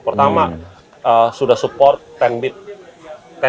pertama sudah support sepuluh bit